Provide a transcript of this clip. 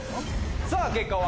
さぁ結果は？